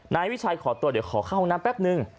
นายวิชัยขอตัวเดี๋ยวขอเข้าห้องน้ำแป๊บนึง